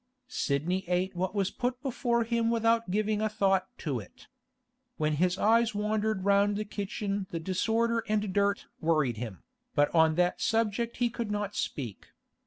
Sidney ate what was put before him without giving a thought to it. When his eyes wandered round the kitchen the disorder and dirt worried him, but on that subject he could not speak.